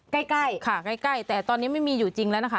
ใกล้ค่ะใกล้แต่ตอนนี้ไม่มีอยู่จริงแล้วนะคะ